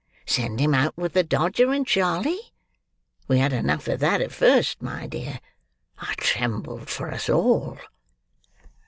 Send him out with the Dodger and Charley? We had enough of that, at first, my dear; I trembled for us all."